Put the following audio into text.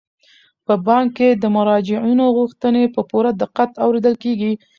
په بانک کې د مراجعینو غوښتنې په پوره دقت اوریدل کیږي.